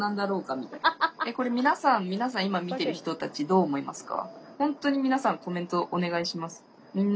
えっこれみなさんみなさん今見ている人たちどう思いますか？